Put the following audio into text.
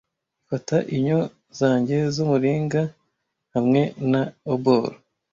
fata inyo zanjye z'umuringa hamwe na obol